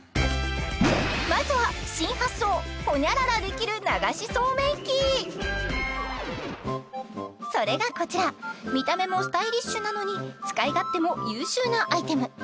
まずはそれがこちら見た目もスタイリッシュなのに使い勝手も優秀なアイテム